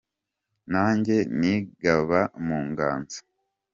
Nanjye nigaba mu nganzo